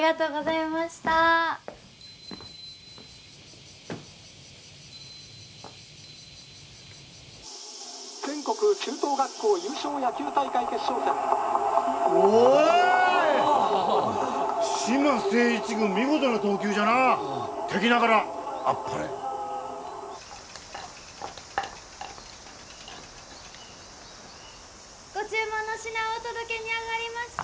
ご注文の品をお届けにあがりました。